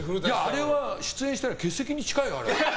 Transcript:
あれは出演してない欠席に近いよ。